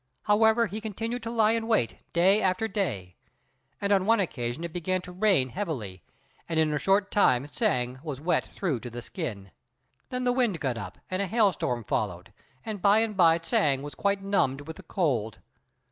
However, he continued to lie in wait day after day, and on one occasion it began to rain heavily, and in a short time Hsiang was wet through to the skin. Then the wind got up, and a hailstorm followed, and by and by Hsiang was quite numbed with the cold.